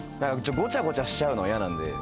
ごちゃごちゃしちゃうのイヤなんで。